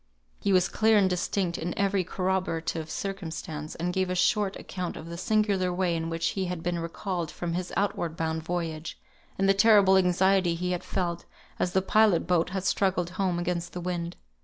He was clear and distinct in every corroborative circumstance, and gave a short account of the singular way in which he had been recalled from his outward bound voyage, and the terrible anxiety he had felt, as the pilot boat had struggled home against the wind.